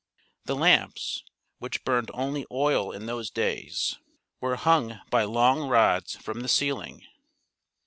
The lamps — which burned only oil in those days — were hung by long rods from the ceiling.